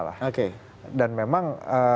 lah dan memang